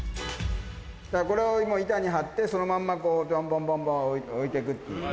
これを板に貼ってそのまんまぼんぼんぼんぼん置いていくっていうね。